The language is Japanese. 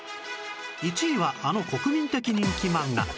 １位はあの国民的人気漫画